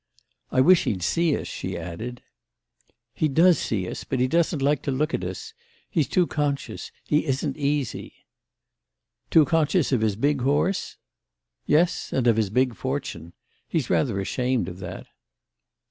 "I wish he'd see us," she added. "He does see us, but he doesn't like to look at us. He's too conscious. He isn't easy." "Too conscious of his big horse?" "Yes and of his big fortune. He's rather ashamed of that."